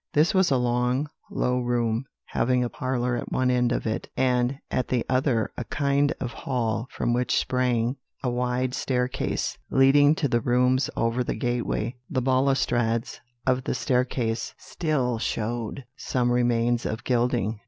This was a long, low room, having a parlour at one end of it, and at the other a kind of hall, from which sprang a wide staircase, leading to the rooms over the gateway; the balustrades of the staircase still showed some remains of gilding.